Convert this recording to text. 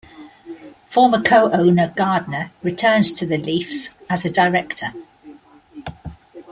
Former co-owner Gardiner returned to the Leafs as a director.